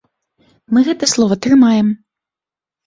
Мы гэта слова трымаем.